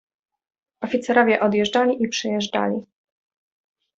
"Oficerowie odjeżdżali i przyjeżdżali."